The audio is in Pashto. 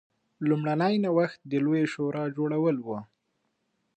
لومړنی نوښت د لویې شورا جوړول و.